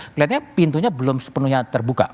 kelihatannya pintunya belum sepenuhnya terbuka